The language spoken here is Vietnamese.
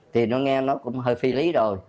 thì nó nghe nó cũng hơi phi lý rồi